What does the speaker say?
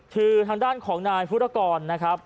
คือทางด้านของนายพุทธกรนะครับ